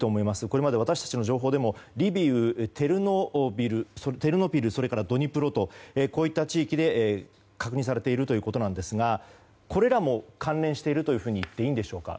これまで私たちの情報でもリブウテルノーピルそれからドニプロとこういった地域で確認されているということなんですがこれらも関連しているといっていいんでしょうか？